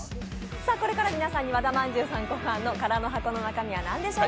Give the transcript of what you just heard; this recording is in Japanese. これから皆さんに和田まんじゅうさん考案の「空の箱の中身は何でしょう？